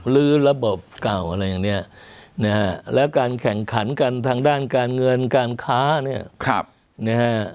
ลื้อระบบเก่าอะไรอย่างนี้นะฮะแล้วการแข่งขันกันทางด้านการเงินการค้าเนี่ยนะฮะ